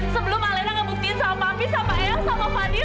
sebelum alena ngebuktiin sama papi sama el sama fadil